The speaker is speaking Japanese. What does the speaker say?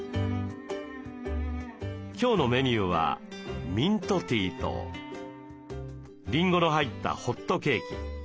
今日のメニューはミントティーとリンゴの入ったホットケーキ。